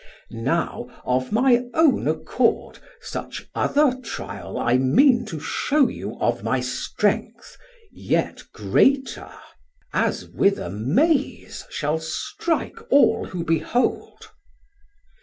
Now of my own accord such other tryal I mean to shew you of my strength, yet greater; As with amaze shall strike all who behold.